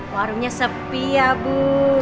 warungnya sepi ya bu